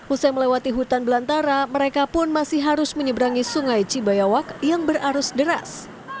usai melewati hutan belantara mereka pun masih harus menyeberangi sungai cibayawak yang berarus deras